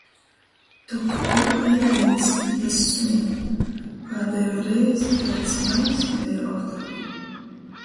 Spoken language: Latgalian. Tok tu ej vīns. Bez suņa! Pādejū reizi taids majs beja oktobrī!...